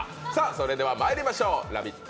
それではまいりましょう、「ラヴィット！」